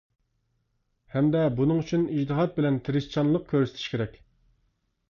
ھەمدە بۇنىڭ ئۈچۈن ئىجتىھات بىلەن تىرىشچانلىق كۆرسىتىشى كېرەك.